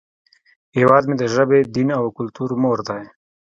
هیواد مې د ژبې، دین، او کلتور مور دی